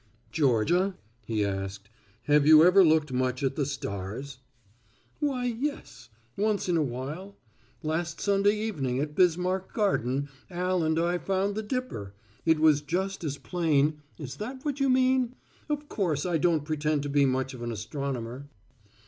"Georgia," he asked, "have you ever looked much at the stars?" "Why, yes; once in awhile. Last Sunday evening at Bismarck Garden Al and I found the dipper it was just as plain is that what you mean? Of course I don't pretend to be much of an astronomer."